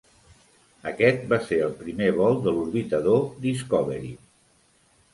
Aquest va ser el primer vol de l'orbitador "Discovery".